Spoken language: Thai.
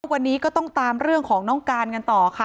วันนี้ก็ต้องตามเรื่องของน้องการกันต่อค่ะ